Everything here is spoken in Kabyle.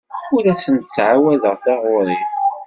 Ur asent-ttɛawadeɣ taɣuri.